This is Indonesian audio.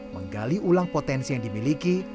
menggali ulang potensi yang dimiliki